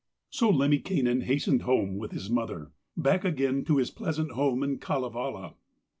So Lemminkainen hastened home with his mother, back again to his pleasant home in Kalevala.